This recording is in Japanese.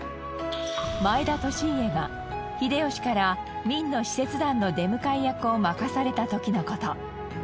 前田利家が秀吉から明の使節団の出迎え役を任された時の事。